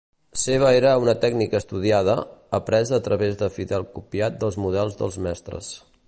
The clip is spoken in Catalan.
Seva era una tècnica estudiada, apresa a través de fidel copiat dels models dels mestres.